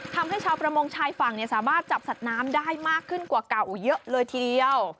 ทำให้ชาวประมงชายฝั่งสามารถจับสัตว์น้ำได้มากขึ้นกว่าเก่าเยอะเลยทีเดียว